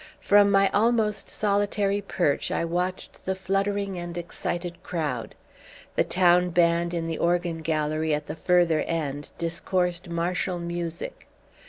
From my almost solitary perch I watched the fluttering and excited crowd. The town band in the organ gallery at the further end discoursed martial music.